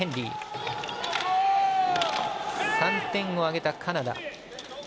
３点を挙げたカナダ。